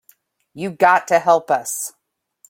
You got to help us.